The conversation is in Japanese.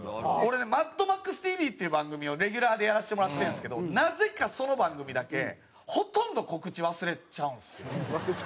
俺ね『マッドマックスＴＶ』っていう番組をレギュラーでやらせてもらってるんですけどなぜかその番組だけほとんど告知忘れちゃうんですよ。